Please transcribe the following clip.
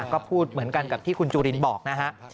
ก็พูดเหมือนกันกับที่คุณจุลินบอกนะฮะ